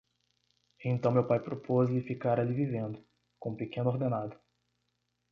Então meu pai propôs-lhe ficar ali vivendo, com pequeno ordenado.